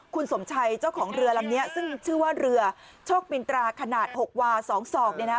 คุณสมชัยเจ้าของเรือลำนี้ซึ่งชื่อว่าเรือโชคมินตราขนาด๖วา๒ศอกเนี่ยนะ